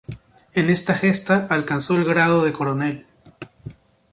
En esta gesta alcanzó el grado de Coronel.